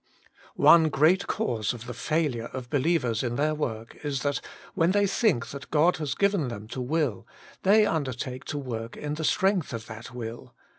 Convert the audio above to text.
One great cause of the failure of be lievers in their work is that, when they 58 Working for God think that God has given them to z^'ill, they undertake to zvork in the strength of that will.